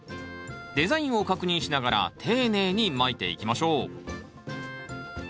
デザインを確認しながら丁寧にまいていきましょう。